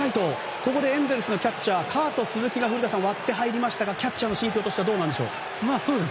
ここでエンゼルスのキャッチャーカート・スズキが割って入りましたがキャッチャーの心境としてはどうでしょう。